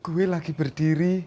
gue lagi berdiri